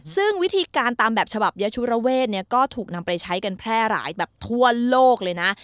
ซึ่งวิธีการตามแบบฉบับยะชุระเวทเนี่ยก็ถูกนำไปใช้กันแพร่หลายแบบทั่วโลกเลยนะ